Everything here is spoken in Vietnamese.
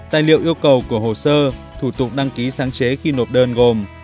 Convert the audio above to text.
tài liệu yêu cầu của hồ sơ thủ tục đăng ký sáng chế khi nộp đơn gồm